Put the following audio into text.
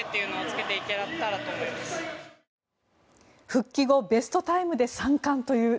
復帰後ベストタイムで３冠という。